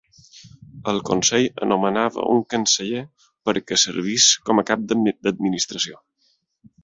El consell anomenava un canceller per que servis com a Cap d'Administració.